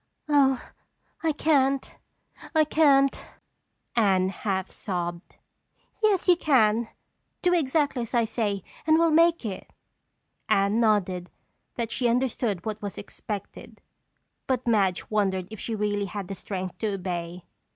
"Oh, I can't, I can't," Anne half sobbed. "Yes, you can. Do exactly as I say and we'll make it." Anne nodded that she understood what was expected but Madge wondered if she really had the strength to obey.